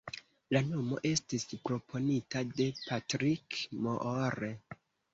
La nomo estis proponita de Patrick Moore.